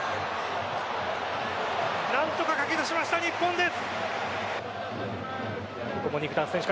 何とか駆け出しました、日本です。